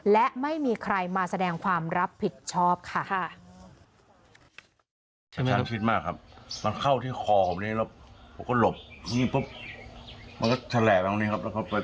และไม่มีใครมาแสดงความรับผิดชอบค่ะ